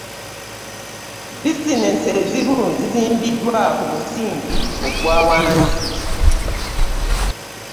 bizineesi ezimu zizimbiddwa ku musingi ogwa wansi.